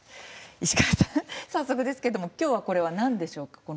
石川さん、早速ですけれどもきょうはこれは何でしょうか？